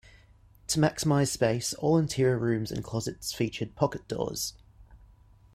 To maximize space, all interior rooms and closets featured pocket doors.